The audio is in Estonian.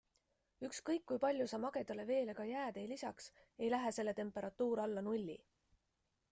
Ükskõik, kui palju sa magedale veele ka jääd ei lisaks, ei lähe selle temperatuur alla nulli.